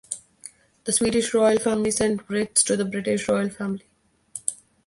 The Swedish Royal Family sent wreaths to the British Royal Family.